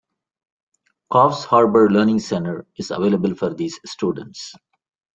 Coffs Harbour Learning Centre is available for these students.